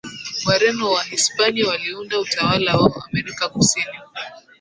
Wareno na Wahispania waliunda utawala wao Amerika Kusini